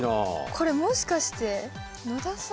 これもしかして野田さん？